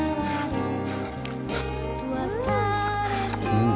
うん。